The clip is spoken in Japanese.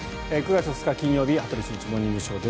９月２日、金曜日「羽鳥慎一モーニングショー」。